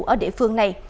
ở địa phương này